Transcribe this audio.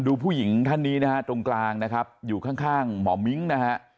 ดูผู้หญิงท่านนี้นะครับตรงกลางอยู่ข้างหมอมิ้งนะครับ